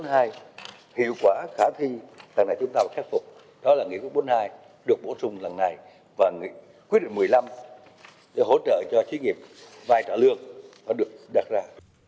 nghị quốc bốn mươi hai hiệu quả khả thi thằng này chúng ta đã khắc phục đó là nghị quốc bốn mươi hai được bổ sung lần này và quyết định một mươi năm để hỗ trợ cho trí nghiệp vài trả lương đã được đặt ra